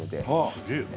すげえな！